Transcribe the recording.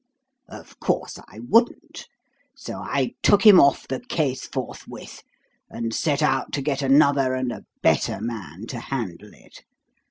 Of course, I wouldn't; so I took him off the case forthwith, and set out to get another and a better man to handle it.